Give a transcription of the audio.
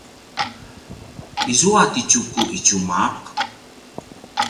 izua ti Tjuku i tjumaq?